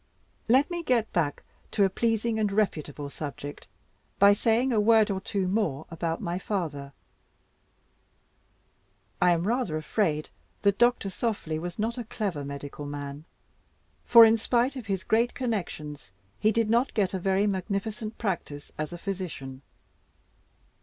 Let me get back to a pleasing and reputable subject, by saying a word or two more about my father. I am rather afraid that Doctor Softly was not a clever medical man; for in spite of his great connections, he did not get a very magnificent practice as a physician.